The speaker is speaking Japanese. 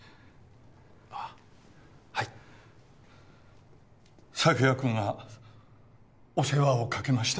あっはい朔也君がお世話をかけました